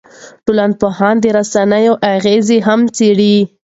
ټولنپوهنه د رسنیو اغېزې هم څېړي.